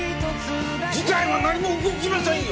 事態は何も動きませんよ！